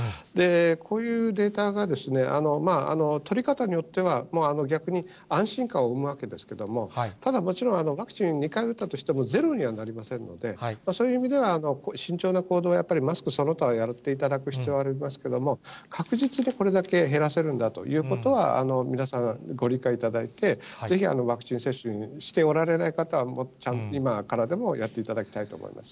こういうデータが、取り方によっては、逆に安心感を生むわけですけれども、ただ、もちろん、ワクチン２回打ったとしても、ゼロにはなりませんので、そういう意味では、慎重な行動を、やっぱりマスクその他はやっていただく必要がありますけれども、確実にこれだけ減らせるんだということは、皆さん、ご理解いただいて、ぜひワクチン接種、しておられない方は、今からでもやっていただきたいと思います。